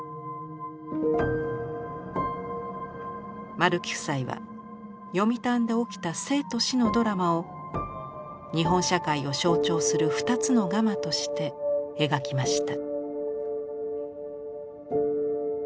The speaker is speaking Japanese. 丸木夫妻は読谷で起きた生と死のドラマを日本社会を象徴する２つのガマとして描きました。